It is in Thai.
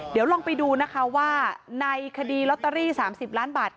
เดี๋ยวลองไปดูนะคะว่าในคดีลอตเตอรี่๓๐ล้านบาท